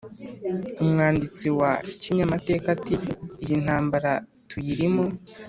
umwanditsi wa kinyamateka ati: “iyi ntambara tuyirimo